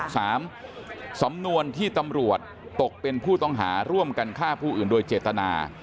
สามสำนวนที่ตำรวจตกเป็นผู้ต้องหาร่วมกันฆ่าผู้อื่นโดยเจตนา